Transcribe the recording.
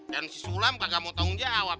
dan si sulam kagak mau tanggung jawab